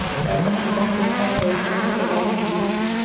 دا د اهدافو لپاره د وسایلو تدارک دی.